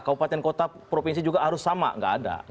kabupaten kota provinsi juga harus sama nggak ada